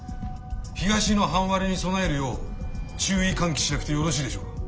東の半割れに備えるよう注意喚起しなくてよろしいでしょうか？